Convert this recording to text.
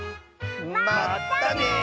まったね！